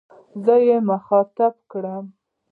زه يې مخاطب کړم.